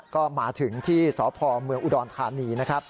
ก็มาถึงที่สอพอร์เมืองอุดรธานี